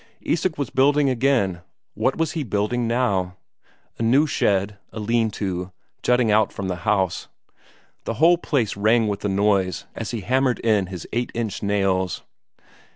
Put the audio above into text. Isak was building again what was he building now? A new shed, a lean to, jutting out from the house. The whole place rang with the noise as he hammered in his eight inch nails.